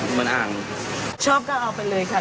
เหมือนอ่านชอบก็เอาไปเลยค่ะ